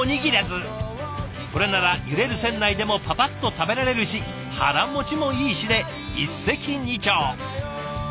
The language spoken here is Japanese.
これなら揺れる船内でもパパッと食べられるし腹もちもいいしで一石二鳥。